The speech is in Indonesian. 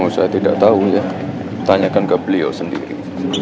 saya tidak tahu ya tanyakan ke beliau sendiri